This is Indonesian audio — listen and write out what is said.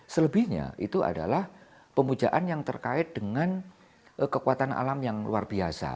selebihnya itu adalah pemujaan yang terkait dengan kekuatan alam yang luar biasa